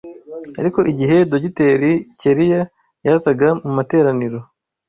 ariko igihe Dogiteri Keliya yazaga mu materaniro